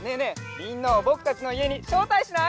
みんなをぼくたちのいえにしょうたいしない？